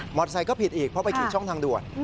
ไซค์ก็ผิดอีกเพราะไปขี่ช่องทางด่วน